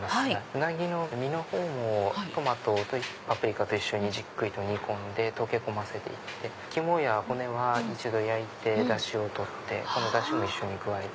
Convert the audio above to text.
ウナギの身の方もトマトとパプリカと一緒にじっくりと煮込んで溶け込ませていって肝や骨は一度焼いてダシを取ってこのダシも一緒に加えて。